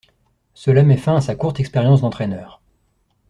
Cela met fin à sa courte expérience d'entraîneur.